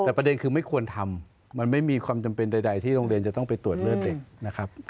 แต่ประเด็นคือไม่ควรทำมันไม่มีความจำเป็นใดที่โรงเรียนจะต้องไปตรวจเลือดเด็กนะครับ